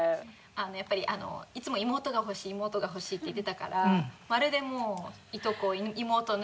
やっぱりいつも妹が欲しい妹が欲しいって言ってたからまるでもういとこを妹のように扱って。